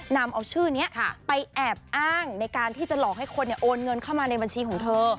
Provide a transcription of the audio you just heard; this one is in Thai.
นำเอาชื่อนี้ไปแอบอ้างในการที่จะหลอกให้คนโอนเงินเข้ามาในบัญชีของเธอ